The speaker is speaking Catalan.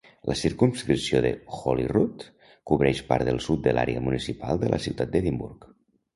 La circumscripció de Holyrood cobreix part del sud de l'àrea municipal de la ciutat d'Edimburg.